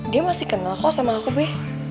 dia masih kenal kok sama aku be